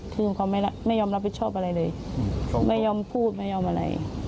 ที่เขาไม่ยอมรับผิดชอบอะไรเลยไม่ยอมพูดไม่ยอมอะไร